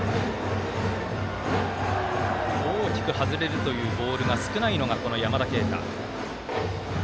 大きく外れるということが少ないのが山田渓太。